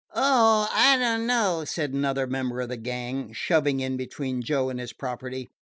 "Oh, I dunno," said another member of the gang, shoving in between Joe and his property.